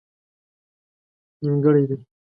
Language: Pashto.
نيمګړئ دي